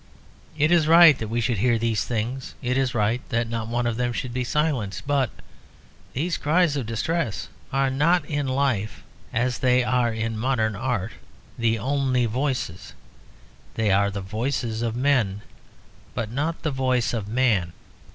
It is right that we should hear these things, it is right that not one of them should be silenced; but these cries of distress are not in life, as they are in modern art, the only voices; they are the voices of men, but not the voice of man.